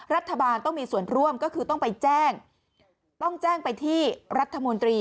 รัฐบาลต้องมีส่วนร่วมก็คือต้องไปแจ้งต้องแจ้งไปที่รัฐมนตรี